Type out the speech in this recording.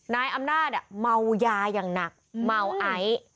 นายอำนาจอะเมายายังหนักเมาไอ้